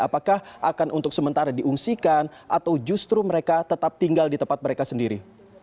apakah akan untuk sementara diungsikan atau justru mereka tetap tinggal di tempat mereka sendiri